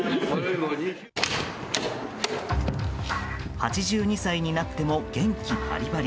８２歳になっても元気バリバリ。